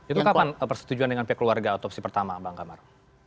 itu kapan persetujuan dengan pihak keluarga otopsi pertama bang kamar